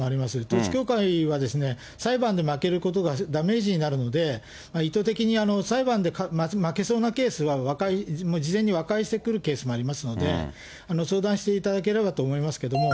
統一教会は、裁判で負けることがダメージになるので、意図的に裁判で負けそうなケースは和解、事前に和解してくるケースもありますので、相談していただければと思いますけれども。